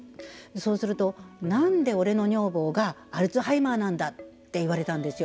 そうすると、なんで俺の女房がアルツハイマーなんだって言われたんですよ。